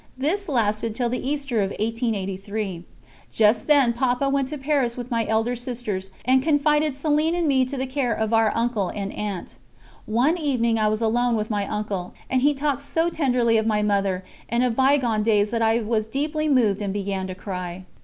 This lasted till the Easter of 1883. Just then Papa went to Paris with my elder sisters, and confided Céline and me to the care of our uncle and aunt. One evening I was alone with my uncle, and he talked so tenderly of my Mother and of bygone days that I was deeply moved and began to cry.